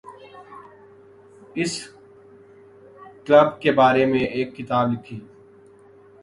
اس club کے بارے میں ایک کتاب لکھی